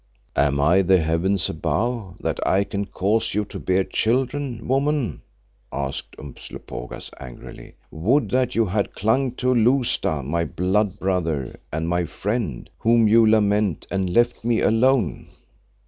"Am I the Heavens Above that I can cause you to bear children, woman?" asked Umslopogaas angrily. "Would that you had clung to Lousta, my blood brother and my friend, whom you lament, and left me alone."